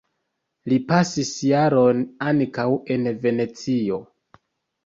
Li pasis jaron ankaŭ en Venecio.